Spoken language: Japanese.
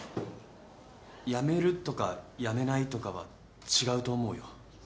辞めるとか辞めないとかは違うと思うよ。